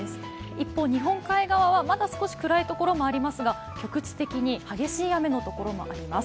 一方、日本海側はまだ少し暗いところもありますが、局地的に激しい雨のところもあります。